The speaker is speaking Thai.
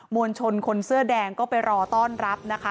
วลชนคนเสื้อแดงก็ไปรอต้อนรับนะคะ